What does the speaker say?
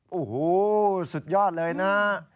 โอ้โหสุดยอดเลยนะฮะ